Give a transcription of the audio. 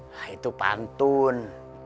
nah itu pantun